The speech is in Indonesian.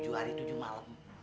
tujuh hari tujuh malam